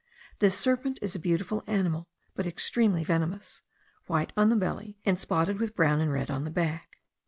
This serpent is a beautiful animal, but extremely venomous, white on the belly, and spotted with brown and red on the back.